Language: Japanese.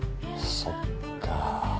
そっかぁ。